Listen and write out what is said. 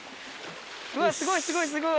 うわすごいすごいすごい。